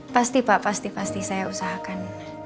pasti pak pasti pasti saya usahakan